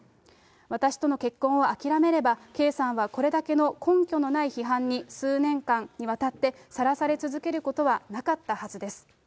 私との結婚を諦めれば、圭さんはこれだけの根拠のない批判に数年間にわたってさらされ続けることはなかったはずです。